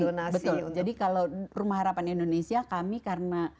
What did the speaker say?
donasi jadi kalau rumah harapan indonesia kami karena